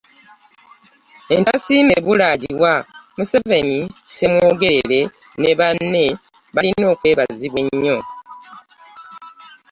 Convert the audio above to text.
Entasiima ebula agiwa, Museveni, Ssemwogerere ne banne balina okwebazibwa ennyo.